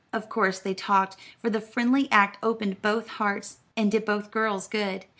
Of course they talked, for the friendly act opened both hearts, and did both girls good.